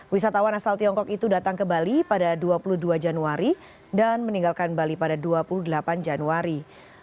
wisatawan asal tiongkok itu datang ke bali pada dua puluh dua januari dan meninggalkan bali pada dua puluh delapan januari